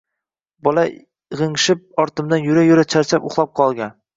Bolam g`ingshib ortimdan yura-yura charchab, uxlab qolgan